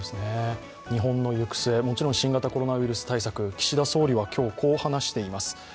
日本の行く末、もちろん、新型コロナウイルス対策、岸田総理は今日、こう話しています